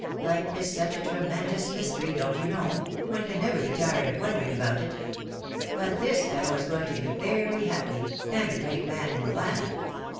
Life is such a tremendous mystery, don't you know — one can never be tired of wondering about it. But this fellow is going to be very happy, and a great man in the land.